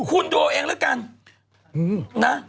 คุณดูเองแล้วกัน